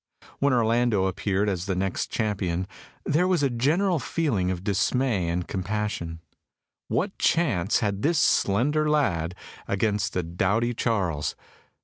When Orlando appeared as the next champion, there was a general feeling of dismay and compassion. What chance had this slender lad against the doughty Charles?